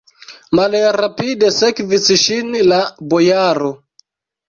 Malrapide sekvis ŝin la bojaro.